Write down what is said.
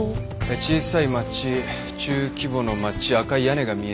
小さい町中規模の町赤い屋根が見えて。